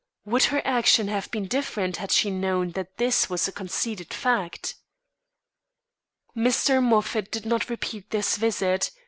Would her action have been different had she known that this was a conceded fact? Mr. Moffat did not repeat this visit.